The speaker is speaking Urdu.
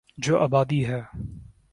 جو آبادی ہے۔